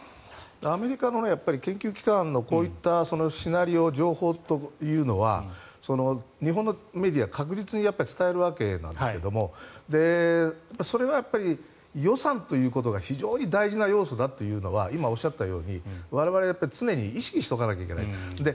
アメリカの研究機関のこういったシナリオ情報というのは日本のメディア確実に伝えるわけなんですけどそれは予算ということが非常に大事な要素だというのは今、おっしゃったように我々、常に意識しておかなきゃいけない。